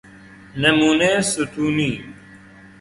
نمونه ستونی